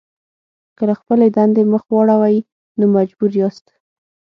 که له خپلې دندې مخ واړوئ نو مجبور یاست.